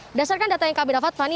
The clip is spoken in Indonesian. berdasarkan data yang kami dapat fani